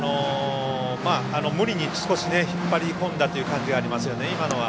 無理に少し引っ張り込んだという感じがあります、今のは。